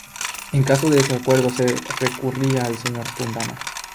En caso de desacuerdo se recurría al señor de Tundama.